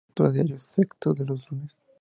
Está abierto a diario excepto los lunes.